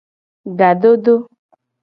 Ga dodo.